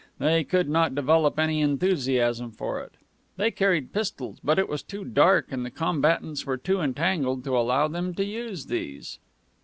They could not develop any enthusiasm for it. They carried pistols, but it was too dark and the combatants were too entangled to allow them to use these.